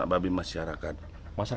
kisaran dua ribu ekor